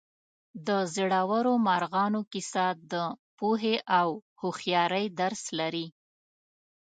د زړورو مارغانو کیسه د پوهې او هوښیارۍ درس لري.